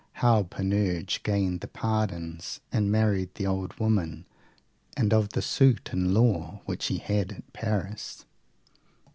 How Panurge gained the pardons, and married the old women, and of the suit in law which he had at Paris.